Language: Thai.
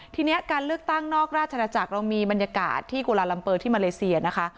ทีนี้การเลือกตั้งนอกราชนาจักรเรามีบรรยากาศที่กุลาลัมเปอร์ที่มาเลเซียนะคะ